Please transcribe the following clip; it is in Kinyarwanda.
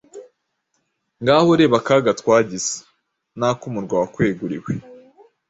Ngaho reba akaga twagize n’ak’umurwa wakweguriwe.